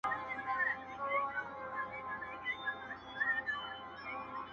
بدي دي وکړه، د لويه کوره.